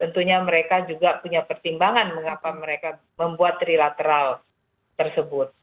tentunya mereka juga punya pertimbangan mengapa mereka membuat trilateral tersebut